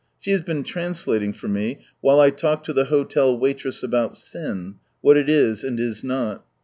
She has been translating for me, while I talked to the hotel waitress about sin, what it is and is not.